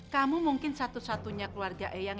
kamu mungkin satu satunya keluarga eyang